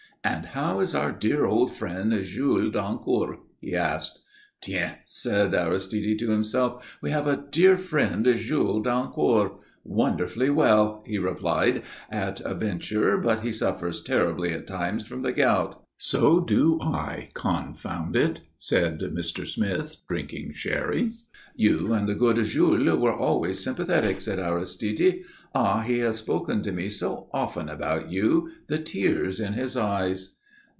"And how is our dear old friend, Jules Dancourt?" he asked. "Tiens!" said Aristide, to himself, "we have a dear friend Jules Dancourt. Wonderfully well," he replied at a venture, "but he suffers terribly at times from the gout." "So do I, confound it!" said Mr. Smith, drinking sherry. "You and the good Jules were always sympathetic," said Aristide. "Ah! he has spoken to me so often about you, the tears in his eyes."